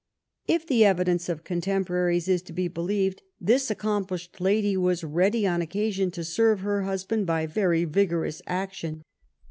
If the evidence of contemporaries is to be believed* this accomplished lady was ready on occasion to serve her husband by very vigorous action.